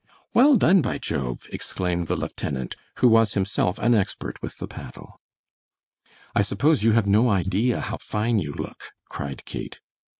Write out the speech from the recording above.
"Well done, by Jove!" exclaimed the lieutenant, who was himself an expert with the paddle. "I suppose you have no idea how fine you look," cried Kate.